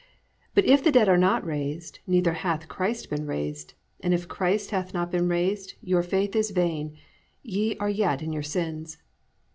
But if the dead are not raised; neither hath Christ been raised: and if Christ hath not been raised, your faith is vain; ye are yet in your sins.